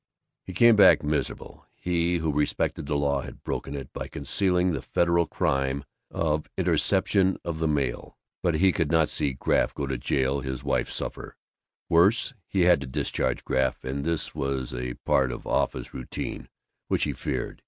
He came back miserable. He, who respected the law, had broken it by concealing the Federal crime of interception of the mails. But he could not see Graff go to jail and his wife suffer. Worse, he had to discharge Graff, and this was a part of office routine which he feared.